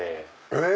えっ？